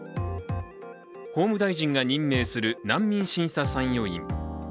法務大臣が任命する難民審査参与員。